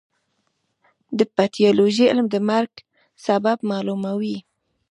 د پیتالوژي علم د مرګ سبب معلوموي.